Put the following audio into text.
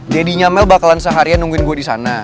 dadinya mel bakalan seharian nungguin gue di sana